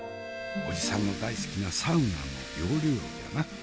おじさんの大好きなサウナの要領じゃな。